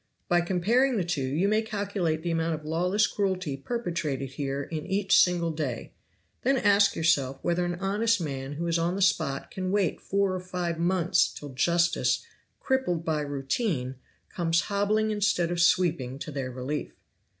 By comparing the two you may calculate the amount of lawless cruelty perpetrated here in each single day; then ask yourself whether an honest man who is on the spot can wait four or five months till justice, crippled by routine, comes hobbling instead of sweeping to their relief.